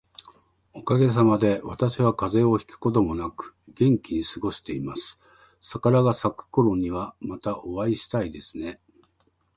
おかげさまで、私は風邪をひくこともなく元気に過ごしています。桜が咲くころには、またお会いしたいですね。